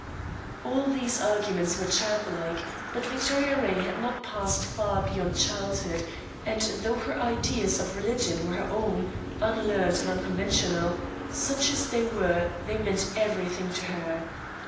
All these arguments were childlike; but Victoria Ray had not passed far beyond childhood; and though her ideas of religion were her own unlearned and unconventional such as they were they meant everything to her.